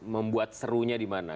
membuat serunya dimana